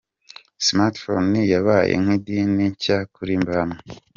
Smartphone yabaye nk'idini nshya kuri bamwe.